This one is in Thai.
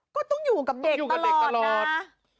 ก็ต้องอยู่กับเด็กตลอดนะ